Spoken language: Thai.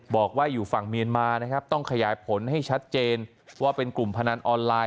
บอกว่าอยู่ฝั่งเมียนมานะครับต้องขยายผลให้ชัดเจนว่าเป็นกลุ่มพนันออนไลน์